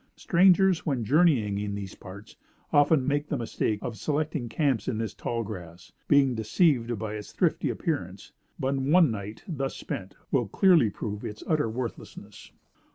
Strangers, when journeying in these parts, often make the mistake of selecting camps in this tall grass, being deceived by its thrifty appearance; but, one night, thus spent, will clearly prove its utter worthlessness.